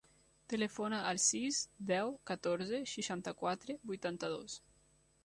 Telefona al sis, deu, catorze, seixanta-quatre, vuitanta-dos.